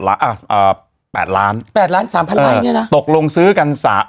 ๘ล้าน๓๐๐๐บาทเนี่ยนะ